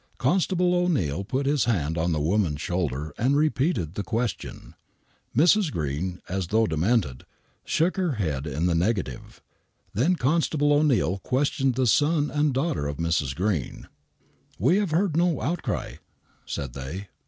Constable O'Keill put his hand on the woman'3 shoulder and repeated the question. ICrs. Green, as though demented, shook her head in the negative. Then Constable O'Neill questioned the son and daughter of Mrs. Green. "We have heard no outcry," said they.